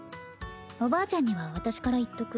おばあちゃんには私から言っとく。